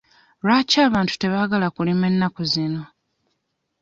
Lwaki abantu tebaagala kulima ennaku zino?